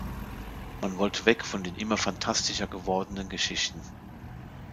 Man wollte weg von den immer phantastischer gewordenen Geschichten.